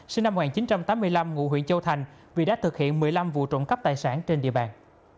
sinh năm một nghìn chín trăm tám mươi năm ngụ huyện châu thành vì đã thực hiện một mươi năm vụ trộm cắp tài sản trên địa bàn